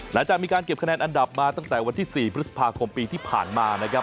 หลังจากมีการเก็บคะแนนอันดับมาตั้งแต่วันที่๔พฤษภาคมปีที่ผ่านมานะครับ